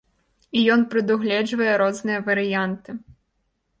І ён прадугледжвае розныя варыянты.